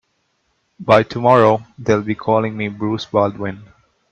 By tomorrow they'll be calling me Bruce Baldwin.